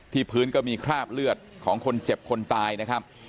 พื้นก็มีคราบเลือดของคนเจ็บคนตายนะครับ